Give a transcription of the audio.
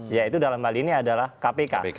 yaitu dalam hal ini adalah kpk